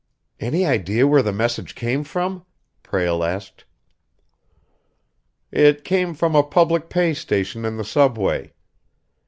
"Any idea where the message came from?" Prale asked. "It came from a public pay station in the subway.